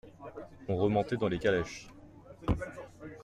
On remontait dans les calèches.